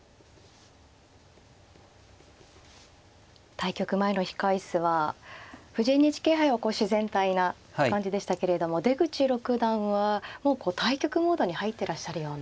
対局前の控え室は藤井ＮＨＫ杯はこう自然体な感じでしたけれども出口六段はもうこう対局モードに入っていらっしゃるような。